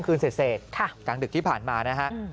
คืนเสร็จกลางดึกที่ผ่านมานะฮะ